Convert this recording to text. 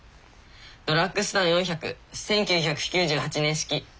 ドラッグスター４００１９９８年式。